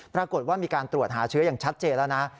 ปรากฏว่ามีการตรวจหาเชื้ออย่างชัดเจนแล้วนะ